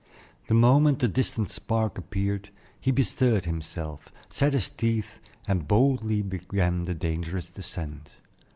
The moment the distant spark appeared, he bestirred himself, set his teeth, and boldly began the dangerous descent.